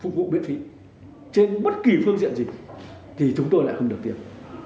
phục vụ miễn phí trên bất kỳ phương diện gì thì chúng tôi lại không được tiêm